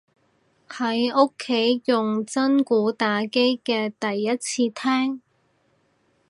喺屋企用真鼓打機嘅第一次聽